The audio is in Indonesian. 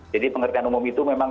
jadi pengertian umum itu memang